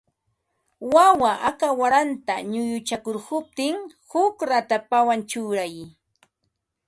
Wawa aka waranta nuyuchakurquptin huk ratapawan churay